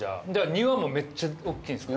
庭もめっちゃおっきいんですか？